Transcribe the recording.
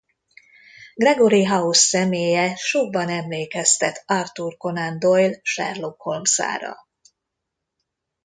Gregory House személye sokban emlékeztet Arthur Conan Doyle Sherlock Holmesára.